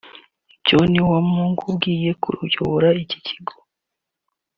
John Uwamungu ugiye kuyobora iki kigo